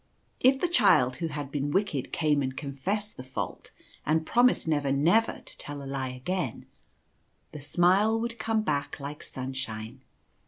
If the child who had been wicked came and confessed the fault and promised never never to tell a lie again, the smile would come back like sunshine.